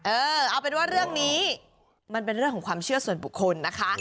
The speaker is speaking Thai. เออเอาเป็นว่าเรื่องนี้มันเป็นเรื่องของความเชื่อส่วนบุคคลนะคะ